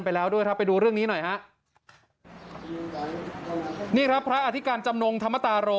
ไปแล้วด้วยครับไปดูเรื่องนี้หน่อยฮะนี่ครับพระอธิการจำนงธรรมตาโร